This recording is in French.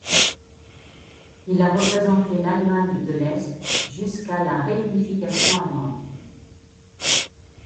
Il a représenté l'Allemagne de l'Est jusqu'à la réunification allemande.